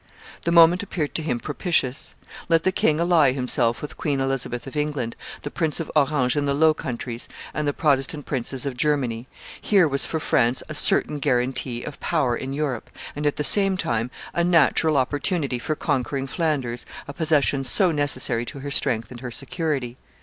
The moment appeared to him propitious; let the king ally himself with Queen Elizabeth of England, the Prince of Orange in the Low Countries, and the Protestant princes of Germany; here was for France a certain guarantee of power in Europe, and at the same time a natural opportunity for conquering Flanders, a possession so necessary to her strength and her security.